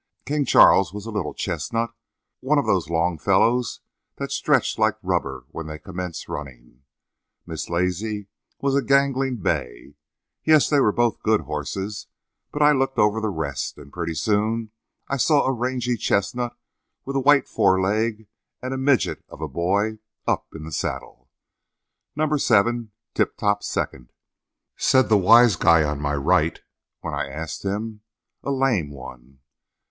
King Charles was a little chestnut, one of those long fellows that stretch like rubber when they commence running; Miss Lazy was a gangling bay. Yes, they were both good horses, but I looked over the rest, and pretty soon I saw a rangy chestnut with a white foreleg and a midget of a boy up in the saddle. 'No. 7 Tip Top Second,' said the wise guy on my right when I asked him; 'a lame one.'